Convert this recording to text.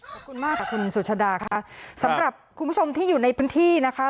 ขอบคุณมากค่ะคุณสุชาดาค่ะสำหรับคุณผู้ชมที่อยู่ในพื้นที่นะคะ